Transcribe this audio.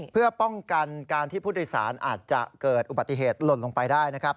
เพื่อป้องกันการที่ผู้โดยสารอาจจะเกิดอุบัติเหตุหล่นลงไปได้นะครับ